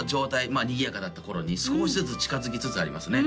まあにぎやかだった頃に少しずつ近づきつつありますね